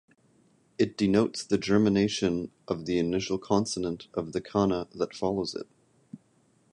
It denotes the gemination of the initial consonant of the kana that follows it.